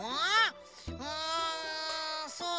うんそうだな。